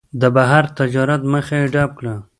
د بهر تجارت مخه یې ډپ کړه.